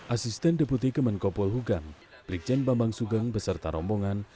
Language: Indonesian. asisten deputi kemenkopul hugam blikjen bambang sugeng beserta rombongan